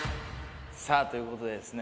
さあということでですね